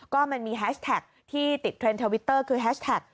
ก็มันมีแฮชแท็กที่ติดเทรนด์ทวิตเตอร์คือแฮชแท็ก